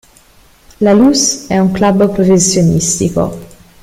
La Luz è un club professionistico.